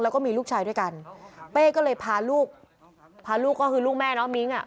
แล้วก็มีลูกชายด้วยกันเป้ก็เลยพาลูกพาลูกก็คือลูกแม่น้องมิ้งอ่ะ